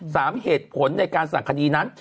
สามเหตุผลในการสั่งคดีนั้น